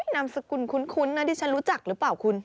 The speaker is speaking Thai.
นามสกุลคุ้นนะดิฉันรู้จักหรือเปล่าคุณ